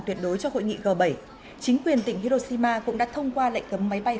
tuyệt đối cho hội nghị g bảy chính quyền tỉnh hiroshima cũng đã thông qua lệnh cấm máy bay